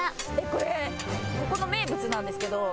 「これここの名物なんですけど」